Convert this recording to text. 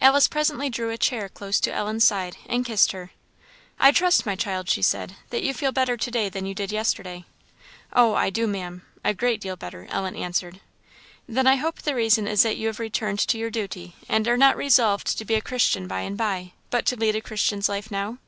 Alice presently drew a chair close to Ellen's side, and kissed her. "I trust, my child," she said, "that you feel better to day than you did yesterday?" "Oh, I do, Maam a great deal better," Ellen answered. "Then I hope the reason is that you have returned to your duty, and are resolved not to be a Christian by and by, but to lead a Christian's life now?"